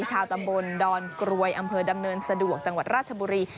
ชาวตำบลดอนกรวยอำเภอดำเนินสะดวกจังหวัดราชบุรี